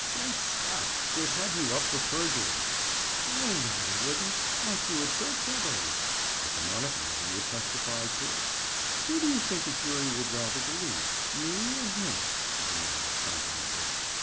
"Great Scott! they'd have you up for perjury." "Oh, no, they wouldn't. I'd do it so cleverly." "But the monocle man would testify, too." "Who do you think a jury would rather believe, me or him?" she demanded confidently.